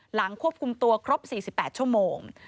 หลังควบคุมตัวครบ๔๘ชั่วโมง